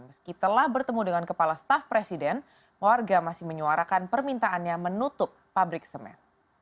meski telah bertemu dengan kepala staf presiden warga masih menyuarakan permintaannya menutup pabrik semen